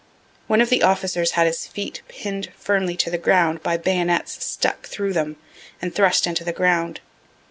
One of the officers had his feet pinn'd firmly to the ground by bayonets stuck through them and thrust into the ground.